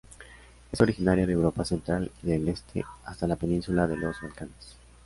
Es originaria de Europa central y del este hasta la Península de los Balcanes.